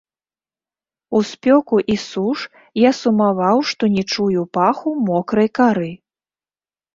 У спёку і суш я сумаваў, што не чую паху мокрай кары.